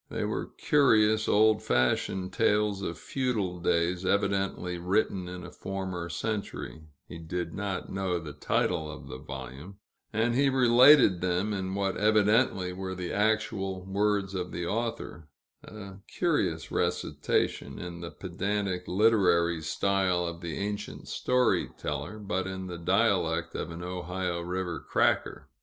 They were curious, old fashioned tales of feudal days, evidently written in a former century, he did not know the title of the volume, and he related them in what evidently were the actual words of the author: a curious recitation, in the pedantic literary style of the ancient story teller, but in the dialect of an Ohio river "cracker."